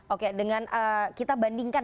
oke dengan kita bandingkan